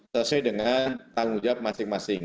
sesuai dengan tanggung jawab masing masing